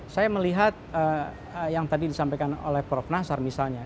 saya melihat yang tadi disampaikan oleh prof nasar misalnya